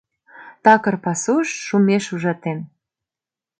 Такыр пасуш шумеш ужатем.